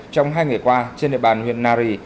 trong hai ngày qua trên địa bàn huyện nari